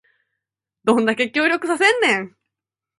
どんだけ協力させんねん